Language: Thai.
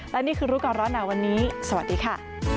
และนี่คือรู้ก่อนร้อนหนาวันนี้สวัสดีค่ะ